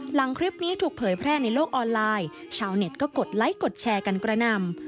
หลังคลิปนี้ถูกเผยแพร่ในโลกออนไลน์ชาวเน็ตก็กดไลค์กดแชร์กันกระนำ